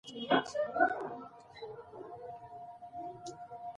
شفافه پرېکړې د شک او اوازو مخه نیسي او باور زیاتوي